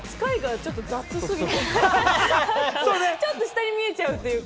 ちょっと下に見えちゃうっていうか。